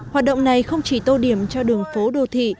hoạt động này không chỉ tô điểm cho đường phố đô thị